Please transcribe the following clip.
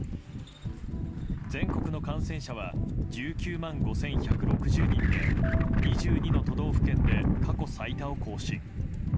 全国の感染者は１９万５１６０人で２２の都道府県で過去最多を更新。